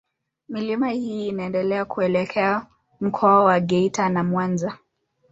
Milima hii inaendelea kuelekea Mkoa wa Geita na Mwanza.